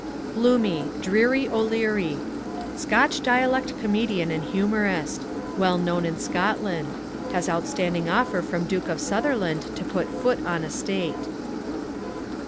Gloomie, Dreary O'Leary: Scotch dialect comedian and humorist; well known in Scotland; has standing offer from Duke of Sutherland to put foot on estate.